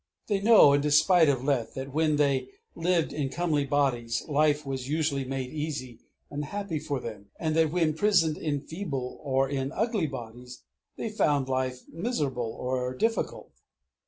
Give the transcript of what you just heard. They know, in despite of Lethe, that when they lived in comely bodies life was usually made easy and happy for them, and that when prisoned in feeble or in ugly bodies, they found life miserable or difficult.